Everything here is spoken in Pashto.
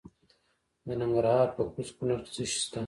د ننګرهار په کوز کونړ کې څه شی شته؟